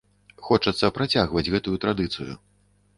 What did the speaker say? Хочацца працягваць гэтую традыцыю.